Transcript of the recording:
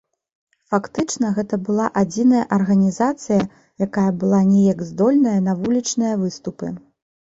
Фактычна гэта была адзіная арганізацыя, якая была неяк здольная на вулічныя выступы.